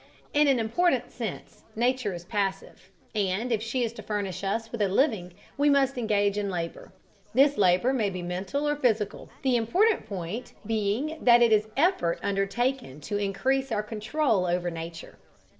In an important sense Nature is passive, and if she is to furnish us with a living, we must engage in labor. This labor may be mental or physical, the important point being that it is effort undertaken to increase our control over Nature.